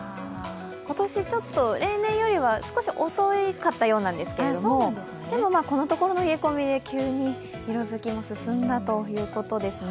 今年、例年よりは少し遅かったようなんですけれども、このところの冷え込みで急に色づきも進んだということですね。